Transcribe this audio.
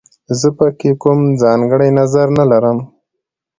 زه په کې کوم ځانګړی نظر نه لرم